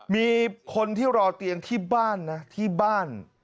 มีคนที่รอเตียงที่บ้าน